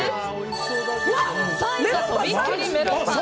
３位が、とびっきりメロンパン。